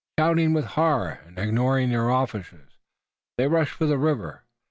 Shouting with horror and ignoring their officers, they rushed for the river.